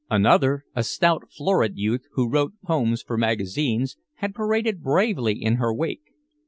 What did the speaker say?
Another, a stout florid youth who wrote poems for magazines, had paraded bravely in her wake.